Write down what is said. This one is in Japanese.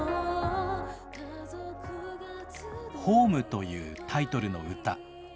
ＨＯＭＥというタイトルの歌。